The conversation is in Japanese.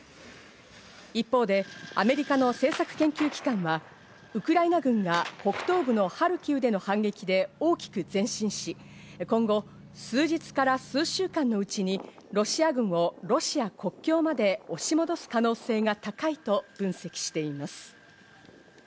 一方でアメリカの政策研究機関は、ウクライナ軍が北東部のハルキウでの反撃で大きく前進し今後、数日から数週間のうちにロシア軍をロシア国境まで押し戻す可能性が高いと分析しています。